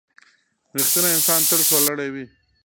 • رښتینی انسان تل سرلوړی وي.